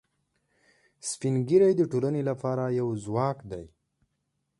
سپین ږیری د ټولنې لپاره یو ځواک دي